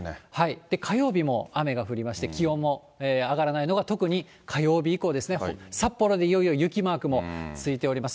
火曜日も雨が降りまして、気温も上がらないのが、特に火曜日以降ですね、札幌でいよいよ雪マークもついております。